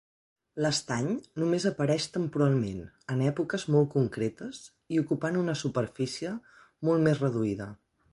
L'estany només apareix temporalment, en èpoques molt concretes, i ocupant una superfície molt més reduïda.